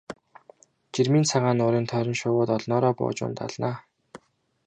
Жирмийн цагаан нуурын тойрон шувууд олноороо бууж ундаална.